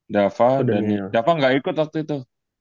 dava gak ikut waktu itu